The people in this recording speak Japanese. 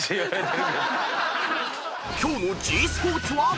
［今日のｇスポーツは］